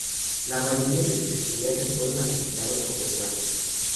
La mayoría de sus estudiantes fueron asesinados por los nazis.